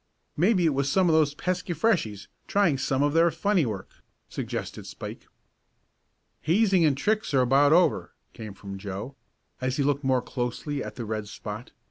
"Maybe it was some of those pesky Freshies trying some of their funny work," suggested Spike. "Hazing and tricks are about over," came from Joe, as he looked more closely at the red spot.